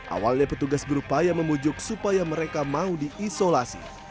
awalnya petugas berupaya memujuk supaya mereka mau diisolasi